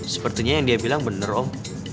sepertinya yang dia bilang bener om